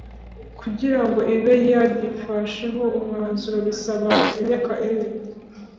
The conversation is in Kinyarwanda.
kugira ngo ibe yagifasheho umwanzuro bisaba imyaka ine